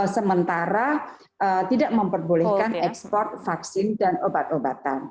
sementara tidak memperbolehkan ekspor vaksin dan obat obatan